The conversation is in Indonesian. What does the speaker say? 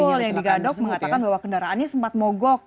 betul yang digadok mengatakan bahwa kendaraannya sempat mogok